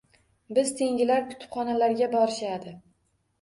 Biz tengilar kutubxonalarga borishadi